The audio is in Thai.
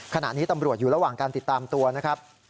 ขณะนี้ตำรวจอยู่ระหว่างการติดตามตัวนะครับ